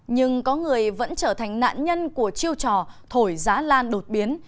nhưng có người vẫn trở thành nạn nhân của chiêu trò thổi giá lan đột biến